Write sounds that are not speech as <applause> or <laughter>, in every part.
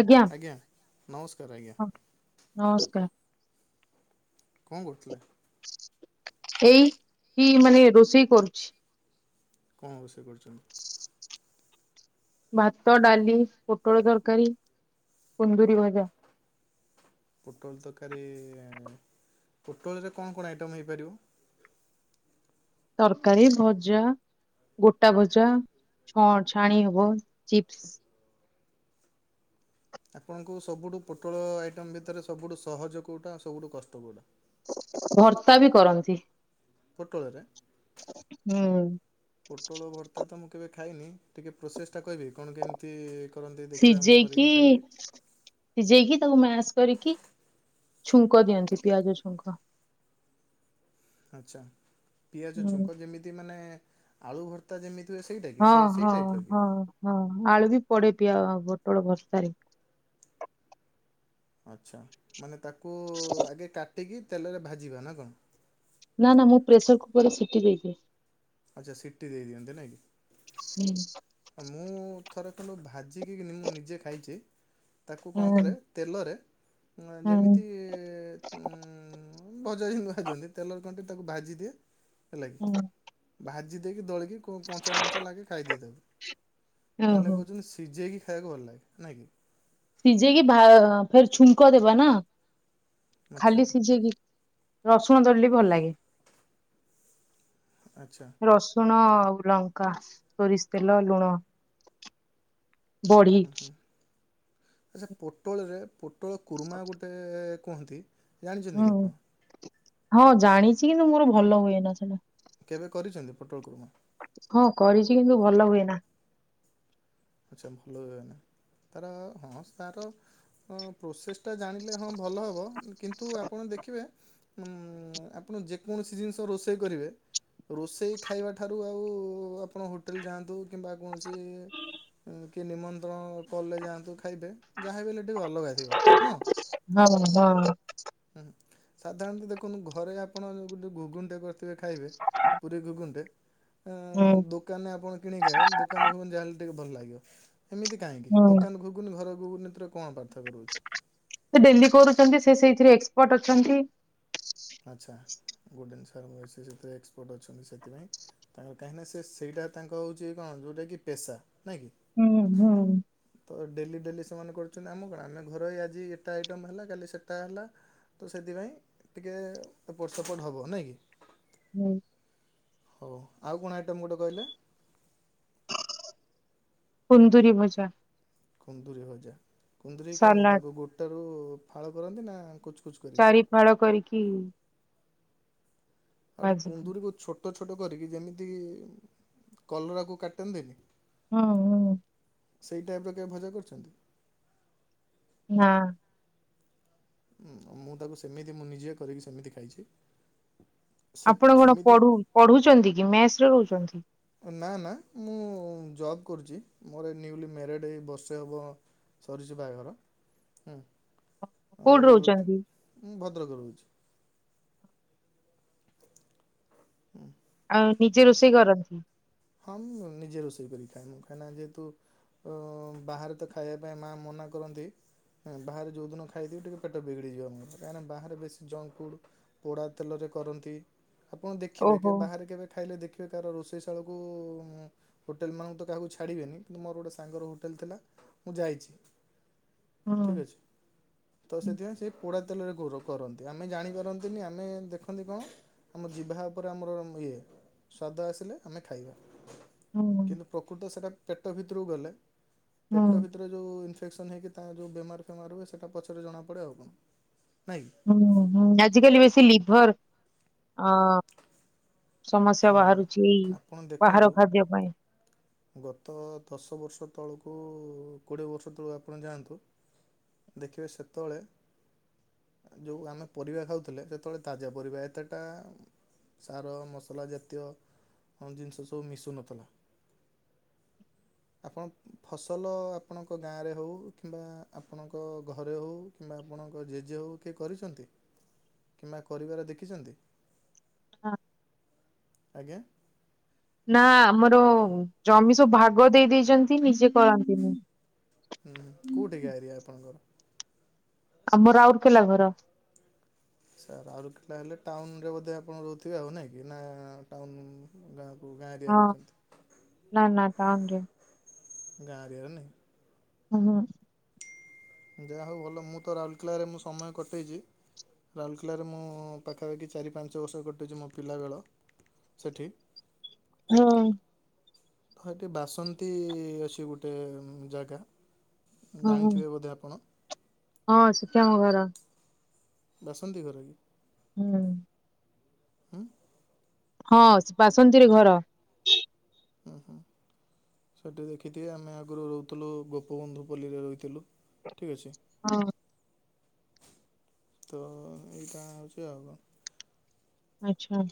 ଆଜ୍ଞା। ନମସ୍କାର ଆଜ୍ଞା ହଁ, ନମସ୍କାର। କଣ କରୁଥିଲେ? ଏଇ କି, ମାନେ ରୋଷେଇ କରୁଛି। କଣ ରୋଷେଇ କରୁଛନ୍ତି? ଭାତ, ଡାଲି, ପୋଟଳ ତରକାରୀ, କୁନ୍ଦୁରୀ ଭଜା। ପୋଟଳ ତରକାରୀ। ପୋଟଳରେ କଣ, କଣ ଆଇଟମ୍ ହେଇପାରିବ? ତରକାରୀ, ଭଜା ଗୋଟାଭଜା, ଛ-ଛାଣି ହବ, ଚିପ୍ସ। ଆପଣଙ୍କୁ ସବୁଠୁ ପୋଟଳ ଆଇଟମ୍ ଭିତରେ, ସବୁଠୁ ସହଜ କୋଉଟା? ଆଉ ସବୁଠୁ କଷ୍ଟ କୋଉଟା? ଭର୍ତ୍ତା ବି କରନ୍ତି। ପୋଟଳରେ ହୁଁ। ପୋଟଳଭର୍ତ୍ତା ତ ମୁଁ କେବେ ଖାଇନି ଟିକେ ପ୍ରୋସେସ୍ ଟା କହିବେ କଣ କେମିତି କରନ୍ତି ଦେଖିବା ମୁଁ ସିଝେଇକି କରିକି ଖାଇବି। ସିଝେଇକି ତାକୁ ମାସ୍ କରିକି ଛୁଙ୍କ ଦିଅନ୍ତି ପିଆଜ ଛୁଙ୍କ। ଆଛା ପିଆଜ ହୁଁ ଛୁଙ୍କ ଯେମିତି ମାନେ ଆଳୁ ଭର୍ତ୍ତା ଯେମିତି ହୁଏ ସେଇଟା କି ହଁ ସେ ସେଇ ହଁ ଟାଇପ୍ର କି? ହଁ ହଁ ଆଳୁ ବି ପଡେ ପିଅ ପୋଟଳ ଭର୍ତ୍ତାରେ ଆଚ୍ଛା ମାନେ ତାକୁ ଆଗେ କାଟିକି ତେଲରେ ଭାଜିବା ନା କଣ? ନାଁ ନାଁ ମୁଁ ପ୍ରେସର କୁକରରେ ସିଟି ଦେଇଦିଏ। ଆଚ୍ଛା ସିଟି ଦେଇ ଦିଅନ୍ତି ହୁଁ ନାଇଁକି ମୁଁ ଥରେ ଭାଜିକି ମୁଁ ନିଜେ ଖାଇଛି ତାକୁ କଣ ହୁଁ କରେ ତେଲରେ ହୁଁ ଯେମିତି ଉଁ। ହଁ ଭଜା ହି ଭାଜନ୍ତି ତେଲର କଣ୍ ଟିକେ ତାକୁ ଭାଜି ଦିଏ ହେଲା ହୁଁ କିି ଭାଜି ଦେଇକି ଦଳିକି କ କଞ୍ଚା ମଞ୍ଚା ଲାଗେ ଖାଇଦିଏ ତାକୁ। ତାହେଲେ ଓହୋ। କହୁଛନ୍ତି ସିଝେଇକି ଖାଇବାକୁ ଭଲ ଲାଗେ ନାଇ କିି। ସିଝେଇକି ଭା ଫେର ଛୁଙ୍କ ଦେବା ନା ଆଚ୍ଛା ଖାଲି ସିଝେଇକି। ରସୁଣ ଦଳିଲେ ବି ଭଲ ଆଚ୍ଛା ଲାଗେ ରସୁଣ। ଆଉ ଲଙ୍କା ସୋରିଷ ତେଲ ଲୁଣ ବଢି। ଆଚ୍ଛା ପୋଟଳରେ ପୋଟଳ କୁର୍ମା ଗୋଟେ କୁହନ୍ତି। ଜାଣିଛନ୍ତି କି ହୁଁ ଆପଣ? ହଁ ଜାଣିଛି କିନ୍ତୁ ମୋର ଭଲ ହୁଏନା ସେଟା। କେବେ କରିଛନ୍ତି ପେଟୋଳ କୁର୍ମା? ହଁ କରିଛି କିନ୍ତୁ ଭଲ ହୁଏନା। ଆଚ୍ଛା ଭଲ ହୁଏନା। ତାର ହଁ ତାର ଆଁ ପ୍ରୋସେସ ଟା ଜାଣିଲେ ହଁ ଭଲ ହବ କିନ୍ତୁ ଆପଣ ଦେଖିବେ ଉଁ ଆପଣ ଯେକୌଣସି ଜିନିଷ ରୋଷେଇ କରିବେ। ରୋଷେଇ ଖାଇବା ଠାରୁ ଆଉ ଆପଣ ହୋଟେଲ ଯାଆନ୍ତୁ କିମ୍ବା କୌଣସି କି ନିମନ୍ତ୍ରଣ କଲେ ଯାଆନ୍ତୁ ଖାଇତେ ଯାହା ବି ହେଲେ ଟିକେ ଅଲଗା ଥିବ ନୁହଁ। ହଁ ହଁ। ହୁଁ ସାଧାରଣତଃ ଦେଖନ୍ତୁ ଘରେ ଆପଣ ଗୋଟେ ଗୁଗୁନିଟେ କରିଥିବେ ଖାଇବେ ପୁରୀ ଘୁଘୁନଟେ। ହୁଁ ଆଁ ଦୋକାନରେ ଆପଣ କିଣିକି ଖାଇବେ ଦୋକାନ ଘୁଗୁନି ଯାହାହେଲେ ଟିକେ ଭଲ ଲାଗିବ। ଏମିତି କାହିଁକି ହୁଁ ଦୋକାନ ଘୁଘୁନି ଘର ଘୁଗୁନି ଭିତରେ କଣ ପାର୍ଥକ୍ୟ ରହୁଚି। ସେ ଡେଲି କରୁଛନ୍ତି ସେ ସେଇଥିରେ ଏକ୍ସପର୍ଟ ଅଛନ୍ତି। ଗୁଡ ଜିନିଷ ସେ ସେଥିରେ ଏକ୍ସପର୍ଟ ଅଛନ୍ତି ସେଥିପାଇଁ ତାଙ୍କ କାହିଁକି ନା ସେ ସେଇଟା ତାଙ୍କ ହଉଛି ଏକ ହଁ ଯଉଟା କି ପେସା ନାଇଁ କି। ହୁଁ ହୁଁ। ତ ଡେଲି ଡେଲି ସେମାନେ କରୁଛନ୍ତି ଆମ କଣ ଆମେ ଘର ଏ ଆଜି ଏଟା ଆଇଟମ ହେଲା କାଲି ସେଟା ହେଲା। ତ ସେଥିପାଇଁ ଟିକେ ଏପଟ ସେପଟ ହବ ନାଇଁ କି। ହୁଁ ହଉ ଆଉ କଣ ଆଇଟମ୍ ଗୋଟେ କହିଲେ। କୁନ୍ଦୁରୀ ଭଜା। କୁନ୍ଦୁରୀ ଭଜା। କୁନ୍ଦୁରି କେମିତି ସାଲାଡ ତାକୁ ଗୋଟାରୁ ଫାଳ କରନ୍ତି ନା କୁଚକୁଚ କରିକି। ଇ କିି। ଆଉ ଗୋଟେ କୁନ୍ଦୁରିକୁ ଛୋଟ ଛୋଟ କରିକି ଯେମିତି କଲରାକୁ କାଟନ୍ତିନି। ହଁ ହଁ। ସେଇ ଟାଇପର କେବେ ଭଜା କରିଛନ୍ତି? ନା। ମୁଁ ମୁଁ ତାକୁ ସେମିତି ମୁଁ ନିଜେ କରିକି ସେମିତି ଖାଇଛି। ସେ ଆପଣ କଣ ସେମିତି ପଢ଼ୁ ପଢୁଛନ୍ତି କି ମେସରେ ରହୁଛନ୍ତି। ବୁକ୍ କରୁଛି ମୋର ନ୍ୟୁଲି ମ୍ୟାରେଡ଼୍ ଏଇ ବର୍ଷେ ହେବ ସରିଛି ବାହାଘର। ହୁଁ କୋଉଠି ଆଉ ଠି ରହୁଛନ୍ତି ମୁଁ ଭଦ୍ରକ ରେ ରହୁଛି। ଆଉ ନିଜେ ରୋଷେଇ କରନ୍ତି। ହଁ ମୁଁ ନିଜେ ରୋଷେଇ କରି ଖାଏ ମୁୁଁ କାଇନା ଯେହେତୁ ଅ ବାହାରେ ତ ଖାଇବା ପାଇଁ ମା ମନା କରନ୍ତି। ହଁ ବାହାରେ ଯୋଉ ଦିନ ଖାଇଥିବି ଟିକେ ପେଟ ବିଗିଡି ଯିବ ମୋର କାହିଁକି ନା ବାହାରେ ବେଶୀ ଜଙ୍କ ଫୁଡ ପୋଡା ତେଲରେ କରନ୍ତି ଆପଣ ଦେଖିବେ ଓହୋ କେ ବାହାରେ କେବେ ଖାଇଲେ ଦେଖିବେ କ ରୋଷେଇ ଷା ହୋଟେଲମାନଙ୍କୁ ତ କାହାକୁ ଛାଡ଼ିବେନି କିନ୍ତୁ ମୋର ଗୋଟେ ସାଙ୍ଗର ହୋଟେଲ ଥିଲା ମୁଁ ଯାଇଛି ହୁଁ ଠିକ ଅଛି। ତ ହୁଁ ସେଥିପାଇଁ ସେ ପୋଡା ତେଲରେ ଘୋର କରନ୍ତି, ଆମେ ଜାଣିପାରନ୍ତିନି ଆମେ ଦେଖନ୍ତି କଣ ଆମ ଯିବା ଉପରେ ଆମର ଇଏ ସଵାଦ ଆସିଲେ ଆମେ ଖାଇବା ହୁଁ କିନ୍ତୁ ପ୍ରକୃତ ସେଇଟା ପେଟ ଭିତରକୁ ଗଲେ ପେଟ ହୁଁ ଭିତରେ ଯୋଉ ଇନଫେକ୍ସନ୍ ହେଇକି ତାଙ୍କ ଯେଉଁ ବେମାର ଫେମାର ହୁଏ, ସେଇଟା ପଛରେ ଜଣାପଡ଼ ଆଉ କଣ ନାଇଁ କି। ହୁଁ ହୁଁ ଆଜିିକାଲି ବେଶୀ ଲିଭର ଅ ସମସ୍ୟା ଶୁଣନ୍ତୁ ବାହାରୁଛି ଏଇ ଆପଣ ବାହାର ଦେଖନ୍ତୁ ଖାଦ୍ୟ ପାଇଁ। ଗତ ଦଶ ବର୍ଷ ତଳକୁ କୋଡ଼ିଏ ବର୍ଷ ତଳ ଆପଣ ଯାଆନ୍ତୁ ଦେଖିବେ ସେତେବେଳେ ଯୋଉ ଆମେ ପରିବା ଖାଉଥିଲେ ଯେତେବେଳେ ତାଜା ପରିବା ଏତେଟା ସାର ମସଲା ଯେତେକ ସବୁ ଜିନିଷ ମିସୁନଥିଲା। ଆପଣ ଫସଲ ଆପଣଙ୍କ ଗାଁରେ ହଉ କିମ୍ବା ଆପଣଙ୍କ ଘରେ ହଉ କିମ୍ବା ଆପଣଙ୍କ ଜେଜେ ହଉ କି କରିଛନ୍ତି କିମ୍ବା କରିବାର ଦେଖିଛନ୍ତି। ହଁ। ଆଜ୍ଞା। ନା ଆମର ଜମି ସବୁ ଭାଗ ଦେଇ ଦେଇଛନ୍ତି ନିଜେ କରନ୍ତିନି ହୁଁ କୋଉଠିକି ଆରିଆ ଆପଣଙ୍କର? ଆମର ଆଉର କଥିଲା ଘର ସାର୍ ଆଲା ହେଲେ ଟାଉନ ରେ ବଧ ଆପଣ ରହୁଥିବେ, ଆଉ ନାଇଁ କି ନା ଟାଉ ଗାଁ ଆ ଗାଁରେଆ ର ହେଉଛନ୍ତି। ତାଙ୍ଗ ଗାଁ ଦିର ନାହି ହୁଁ। ଯାହା ହଉ ଭଲ ମୁଁ ତ ରାଉରକେଲାରେ ମୁଁ ସମୟ କଟେଇଛି ରାଉରକେଲାରେ ମୁଁ ପାଖାପାଖି ଚାରି ପାଞ୍ଚ ବର୍ଷ କଟୁଛି ମୋ ପିଲାବେଳ ସେଠି ହଁ। ହ ଏଠି ବାସନ୍ତୀ ଅଛି ଗୋଟେ ଜାଗା ହଁ ଜାଣିଥିବେ ବୋଧେ ଆପଣ? ହଁ ସୁଖିରା ବାସନ୍ତି ଘର କି? ହୁଁ। ହୁ। ହଁ ବାସନ୍ତିରେ ଘର ହୁଁ ହୁଁ ସେଠି ଦେଖିଥିବେ ଆମେ ଆଗରୁ ରହୁଥିଲୁ ଗୋପବନ୍ଧୁ ପଲ୍ଲୀରେ ରହୁଥିଲୁ ଠିକ୍ ଅଛି। ହଁ। ତ ଏଇଟା ହଉଛି ଆଉ କଣ ଆଛା।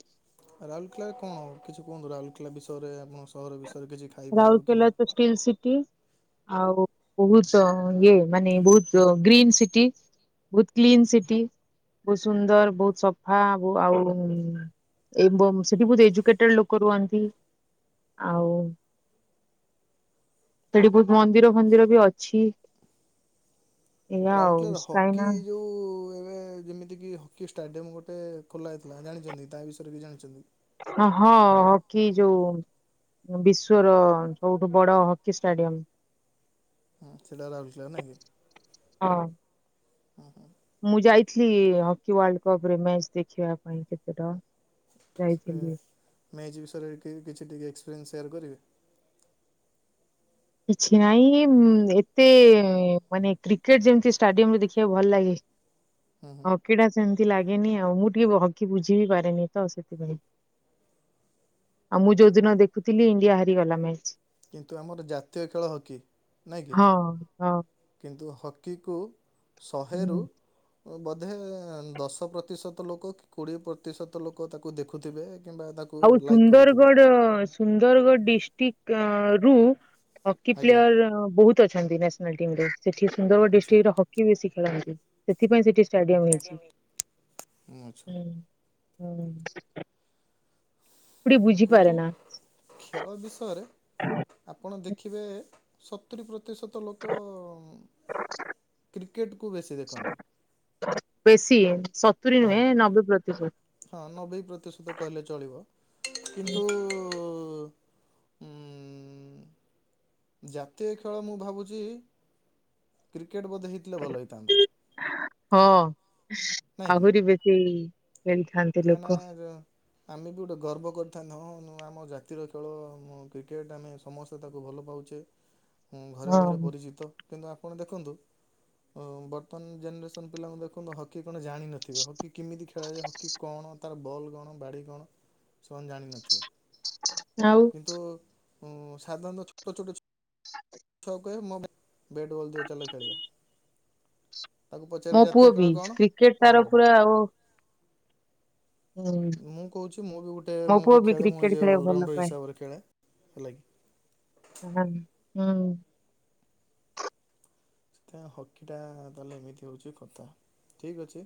ରାଉରକେଲାରେ କଣ କିଛି କୁହନ୍ତୁ, ରାଉରକେଲା ବିଷୟରେ ଆପଣ ସହର ବିଷୟରେ? କିଛି ଖାଇବା ହଉ ରାଉରକେଲା କିମ୍ବା ତ ଷ୍ଟିଲ୍ ସିଟି ଆଉ। ବହୁତ ଇଏ ମାନେ ବହୁତ ଗ୍ରୀନ୍ ସିଟି ବହୁତ କ୍ଲିନ ସିଟି ବହୁତ ସୁନ୍ଦର, ବହୁତ ସଫା, ଆବୁ ଆଉ ଏ ବ-ବ ସେଠି ବହୁତ ଏଜୁକେଟେଡ ଲୋକ ରୁହନ୍ତି। ଆଉ ସେଠି ବହୁତ ମନ୍ଦିର ଫନ୍ଦିର ବି ଅଛି। ଏଇଆ ଆଉ ରାଉରକେଲାରେ ହକି କାହିଁନା ଯୋଉ ରେ ଯେମିତିକି ହକି ଷ୍ଟାଡିୟମ ଗୋଟେ ଖୋଲା ହେଇଥିଲା, ଜାଣିଚନ୍ତି କି ତା ବିଷୟରେ ବି ଜାଣିଚନ୍ତି? ହଁ ହଁ ହକି ଯୋଉ ବିଶ୍ଵର ସବୁଠୁ ବଡ ହକି ଷ୍ଟାଡିୟମ। ହଁ ସେଇଟା ହେଲା ଅର୍ଜିନାଲ ନାହିଁ କି? ହଁ ମୁଁ ଯାଇଥିଲି ହକି ୱାଲ୍ଡ କପରେ ମ୍ୟାଚ୍ ଦେଖିବା ପାଇଁ କେତେଟ ସେ ମେଜ୍ ବିଷୟରେ କିଏ କିଛି ଟିକେ ଏକ୍ସପିରିଏନ୍ସ ସେୟାର କରିବେ? କିଛି ନାଇଁ, ଏ ଏତେ ମାନେ କ୍ରିକେଟ ଯେମତି ଷ୍ଟାଡିୟମରେ ଦେଖିବାକୁ ଭଲ ଲାଗେ ହୁଁ ହୁଁ ହକିଟା ସେମତି ଲାଗେ ନିଏନି ଆଉ ମୁଁ ଟିକେ ହକି ବୁଝି ବିି ପାରେନି, ତ ସେଥିପାଇଁ। ଆଉ ମୁଁ ଯୋଉଦିନ ଦେଖୁଥିଲି ଇଣ୍ଡିଆ ହାରିଗଲା ମ୍ୟାଚ। କିନ୍ତୁ ଆମର ଜାତୀୟ ଖେଳ ହକି। ନାଇଁ କି? ହଁ ହଁ କିନ୍ତୁ ହକ ହକିକୁ ଶହେରୁ ହୁଁ ବୋଧେ ଦଶ ପ୍ରତିଶତ ଲୋକ କି କୋଡିଏ ପ୍ରତିଶତ ଲୋକ ତାକୁ ଦେଖୁଥିବେ କିମ୍ବା ତାକୁ ଆଉ ଲାଇକ୍ କରୁଥିବେ ସୁନ୍ଦରଗଡ଼, ସୁନ୍ଦରଗଡ଼ ଡିଷ୍ଟ୍ରିକରୁ ହକି ଆଜ୍ଞା ପ୍ଲେୟର ବହୁତ ଅଛନ୍ତି ନ୍ୟାସନାଲ୍ ଟିମରେ, ସେଠି ସୁନ୍ଦରଗଡ଼ ଆଚ୍ଛା। ଡିଷ୍ଟ୍ରିକ୍ଟରେ ହକି ବେଶୀ ଖେଳନ୍ତି। ସେଥିପାଇଁ ସେଠି ଷ୍ଟାଡିୟମ ହେଇଛି। ଆଚ୍ଛା ହୁଁ। ହୁଁ। କୋଉଠି କିନ୍ତୁ ବୁଝିପାରେ ନା ଖେଳ ବିଷୟରେ ଆପଣ ଦେଖିବେ ସତୁରି ପ୍ରତିଶତ ଲୋକ କ୍ରିକେଟକୁ ବେଶୀ ଦେଖନ୍ତି। ସତୁରୀ ହଁ ନୁହେଁ, ନବେ ପ୍ରତି ହଁ, ନବେ ବି ପ୍ରତିଶତ କହିଲେ ଚଳିବ। କିନ୍ତୁ ନ୍ତୁ ଉମ୍ ଜାତୀୟ ଖେଳ ମୁଁ ଭାବୁଛି, କ୍ରିକେଟ ବୋଧେ ହେଇଥିଲେ ଭଲ ହେଇଥାନ୍ତା। ହଁ ଆହୁରି ବେଶୀ ଖେଳିଥାନ୍ତି ଲୋକ କାହିଁନା ଯୋ ଆମେ ବି ଗୋଟେ ଗର୍ବ କରିଥାନ୍ତେ, ହଁ ଆମ ଜା ଜାତିର ଖେଳ ଆମ କ୍ରିକେଟ୍, ଆମେ ସମସ୍ତେ ତାକୁ ଭଲ ପାଉଚେ ହୁଁ ଘରେ ହଁ ଘରେ ପରିଚିତ। କିନ୍ତୁ ଆପଣ ଦେଖନ୍ତୁ, ଉଁ ବର୍ତ୍ତମାନ ଜେନେରେସନ୍ ପିଲାଙ୍କୁ ଦେଖନ୍ତୁ ହକି ଆପଣ ଜାଣିନଥିବେ ହକି କେମିତି ଖେଳାଯାଏ? ହକି କଣ ତାର ବଲ୍ କଣ, ବାଡି କଣ, ସେମାନେ ଜାଣିନଥିବେ। ନାଉ ହୁଁ ସାଧାରଣତଃ ଛୋଟ ଛୋଟ ଛୁ <unintelligible> କହେ ମୁଁ ବ୍ୟାଟ ବଲ ଦିଅ ଚାଲ ଖେଳିିବା। ମୋ ପୁଅ ବି, କ୍ରିକେଟ ନା ତାର ବ୍ୟାଟ୍ ବଲ୍ ପୁରା ଓ ମୁଁ କହୁଛି, ମୁଁ ବି ଗୋଟେ ମୋ ମୁଁ ପୁଅ ବି ଖେଳେ, ମୁଁ କ୍ରିକେଟ ଆଜ୍ ଏ ଖେଳିବାକୁ ଭଲ ଅଲରାଉଣ୍ଡର ପାଏ। ହିସାବରେ ଖେଳେ ହେଲାକି। ହଁ ହୁଁ। ସେଥିପାଇଁ ହକିଟା ତାହେଲେ ଏମିତି ହଉଛି କଥା। ଠିକ ଅଛି,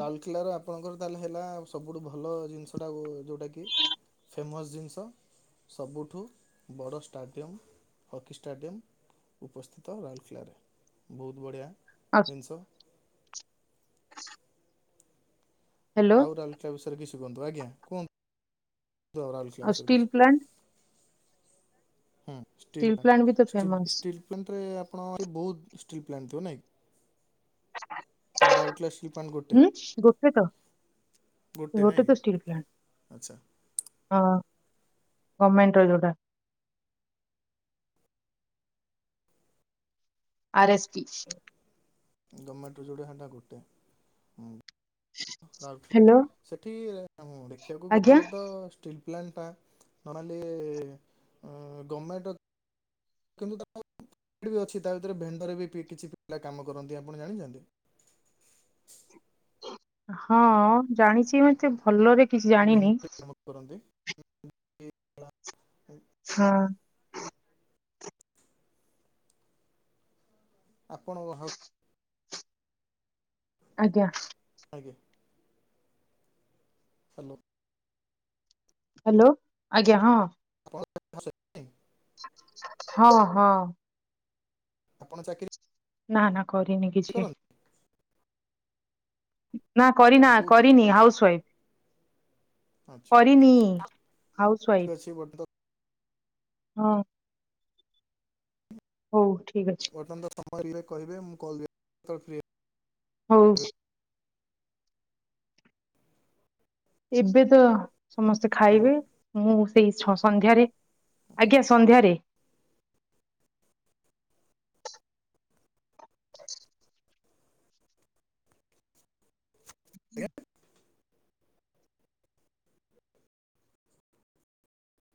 ରାଉଲକେଲାରେ ଆପ ଆପଣଙ୍କର ତାହେଲେ ହେଲା ସବୁଠୁ ଭଲ ଜିନିଷଟାକୁ ଯୋଉଟାକି ଫେମସ୍ ଜିନିଷ ସବୁଠୁ ବଡ଼ ଷ୍ଟାଡ଼ିୟମ୍, ହକି ଷ୍ଟାଡ଼ିୟମ୍ ଉପସ୍ଥିତ ରାଉରକେଲାରେ। ବହୁତ ବଢ଼ିଆ ଆଉ ଜିନିଷ ହ୍ୟାଲୋ ଆଉ ରାଉଲକେଲା ବିଷୟରେ କିଛି କୁହନ୍ତୁ। ଆଜ୍ଞା, କୁହନ୍ତୁ। ତ ରାଉଲକେଲା ଆଉ ବିଷୟରେ ଷ୍ଟିଲ୍ ପ୍ଲାଣ୍ଟ କିଛି ହୁଁ ଷ୍ଟିଲ୍ ପ୍ଲାଣ୍ଟ ବି ତ ଫେମସ୍। ଷ୍ଟିଲ୍ ପ୍ଲାଣ୍ଟରେ ଆପଣ <unintelligible> ବହୁତ ଷ୍ଟିଲ୍ ପ୍ଲାଣ୍ଟ ଥିବ ନାଇଁ। ରାଉରକେଲା ଷ୍ଟି ହୁଁ ଗୋଟେ ତ ନାଇଁ ଗୋଟେ କି ତ ଷ୍ଟିଲ ଆଚ୍ଛା ପ୍ଲାଣ୍ଟ। ହଁ ଗମେଣ୍ଟର ଯୋଉଟା। R S P. ଗମେଣ୍ଟ ରୁ ଯୋଡେ ସେଇଟା ଗୋଟେ ହୁଁ। ହ୍ୟାଲୋ ସେଠି ଦେଖିବାକୁ ଆଜ୍ଞା ଗଲେ ତ ଷ୍ଟି ପ୍ଲାଣ୍ଟ ଟା ନହେଲେ ଗର୍ମେଣ୍ଟ କିନ୍ତୁ ତା ଅଛି ତା ଭିତରେ ଭେଣ୍ଡରେ ବି କିଛି ପିଲା କାମ କରନ୍ତି, ଆପଣ ଜାଣିଚନ୍ତି? ହଁ ଜାଣିଚି ମତେ ଭଲରେ କିଛି ଜାଣିନି। ଭେଣ୍ଡରେ କାମ <unintelligible> ହଁ। ଆପଣ କଣ ହାଉସ୍ ଆଜ୍ଞା। ଆଜ୍ଞା। ହାଲୋ। ହାଲୋ ଆଜ୍ଞା ହଁ। <unintelligible> ହଁ- ହଁ। ଆପଣ ଚାକିରି ନା ନା କରିନି କିଛି। କରନ୍ତି ନା କରିନା ହଁ କୋଉଥିରେ କରିନି ହାଉସ ୱାଇଫ୍। ଆଚ୍ଛା କରିନି ଠିକ୍ ହାଉସୱାଇଫ। ଅଛି ବର୍ତ୍ତମାନ ହଁ। ହଉ। ଠିକ ଅଛି ବର୍ତ୍ତମାନ ସମୟ ସମୟ ଇଏ କହିବେ, ମୁଁ କଲ୍ ବ୍ୟାକ <unintelligible> ହଉ। ଏବେ ତ ସମସ୍ତେ ହ୍ୟାଲୋ। ଖାଇବେ। ମୁଁ ସେଇ ସ ସନ୍ଧ୍ୟାରେ ଆଜ୍ଞା ସନ୍ଧ୍ୟାରେ